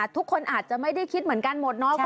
ทุกคนอาจจะไม่ได้คิดเหมือนกันหมดเนาะ